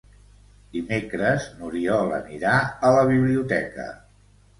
Dimecres n'Oriol anirà a la biblioteca.